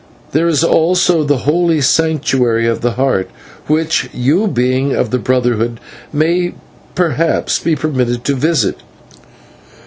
There also is the Holy Sanctuary of the Heart, which you, being of the Brotherhood, may perhaps be permitted to visit.